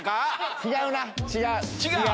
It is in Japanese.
違うな違う。